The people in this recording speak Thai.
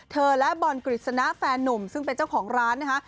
และบอลกฤษณะแฟนนุ่มซึ่งเป็นเจ้าของร้านนะคะ